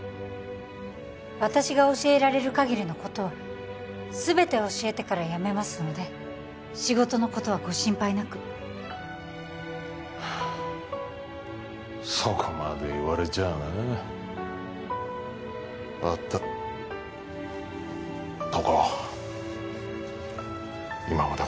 私が教えられるかぎりのことは全て教えてから辞めますので仕事のことはご心配なくはあそこまで言われちゃあな分かった瞳子今まで